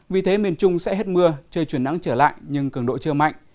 vì thế miền trung sẽ hết mưa trời chuyển nắng trở lại nhưng cường độ chưa mạnh